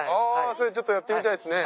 それちょっとやってみたいですね。